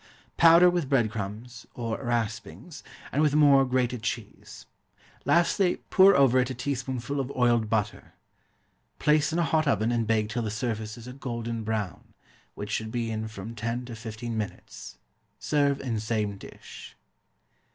Powder with bread crumbs, or raspings, and with more grated cheese. Lastly, pour over it a teaspoonful of oiled butter. Place in a hot oven and bake till the surface is a golden brown, which should be in from ten to fifteen minutes. Serve in same dish.